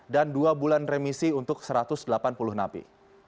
dan dua bulan remisi untuk satu ratus delapan puluh napi